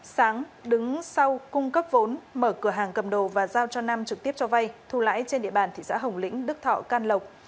sáng đứng sau cung cấp vốn mở cửa hàng cầm đồ và giao cho nam trực tiếp cho vay thu lãi trên địa bàn thị xã hồng lĩnh đức thọ can lộc